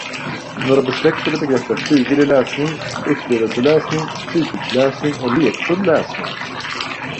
Några besläktade begrepp är frivillig läsning, upplevelseläsning, fritidsläsning och lekfull läsning.